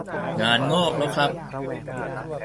งานงอกแล้วครับ